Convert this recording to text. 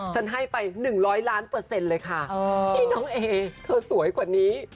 ฉันให้ไป๑๐๐ล้านเปอร์เซ็นต์เลยค่ะไอ้น้องเอเธอสวยกว่านี้